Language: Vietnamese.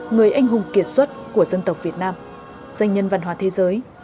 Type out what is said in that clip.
người anh hùng kiệt xuất của dân tộc việt nam danh nhân văn hóa thế giới